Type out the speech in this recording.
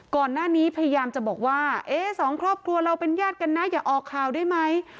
พยายามจะบอกว่าเอ๊ะสองครอบครัวเราเป็นญาติกันนะอย่าออกข่าวได้ไหม